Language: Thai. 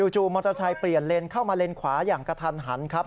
จู่มอเตอร์ไซค์เปลี่ยนเลนเข้ามาเลนขวาอย่างกระทันหันครับ